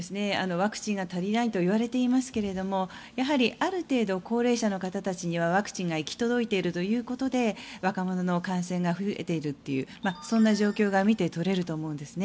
ワクチンが足りないといわれていますがやはりある程度高齢者の方たちにはワクチンが行き届いているということで若者の感染が増えているというそんな状況が見て取れると思うんですね。